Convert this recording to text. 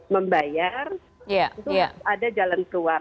membayar itu ada jalan keluar